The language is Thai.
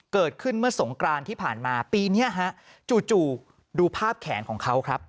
เกิดขึ้นเมื่อสงกรานที่ผ่านมาปีนี้ฮะจู่ดูภาพแขนของเขาครับ